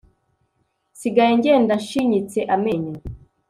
nsigaye ngenda nshinyitse amenyo